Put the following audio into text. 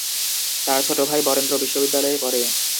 তার ছোট ভাই বরেন্দ্র বিশ্ববিদ্যালয়ে পড়ে।